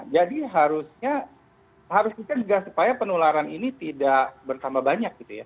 jadi harusnya harus kita juga supaya penularan ini tidak bertambah banyak